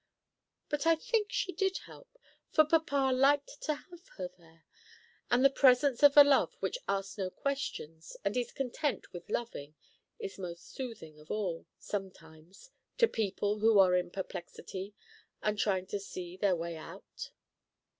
But I think she did help, for papa liked to have her there, and the presence of a love which asks no questions and is content with loving, is most soothing of all, sometimes, to people who are in perplexity, and trying to see their way out.